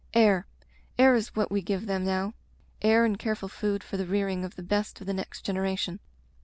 Air; air is what we give them now. Air and careful food for the rearing of the best of the next generation.